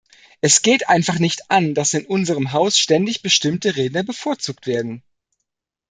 Es geht einfach nicht an, dass in unserem Haus ständig bestimmte Redner bevorzugt werden.